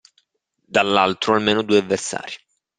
Dall'altro almeno due avversari.